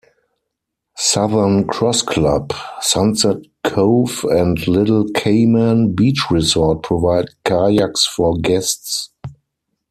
Southern Cross Club, Sunset Cove and Little Cayman Beach Resort provide kayaks for guests.